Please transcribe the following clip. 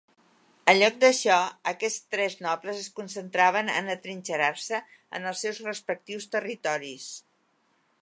En lloc d'això, aquests tres nobles es concentraven en atrinxerar-se en els seus respectius territoris.